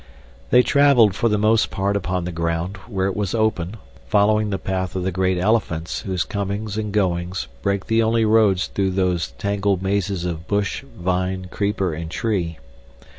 They traveled for the most part upon the ground, where it was open, following the path of the great elephants whose comings and goings break the only roads through those tangled mazes of bush, vine, creeper, and tree.